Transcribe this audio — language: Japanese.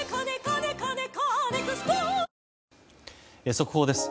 速報です。